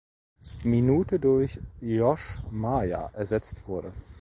Minute durch Josh Maja ersetzt wurde.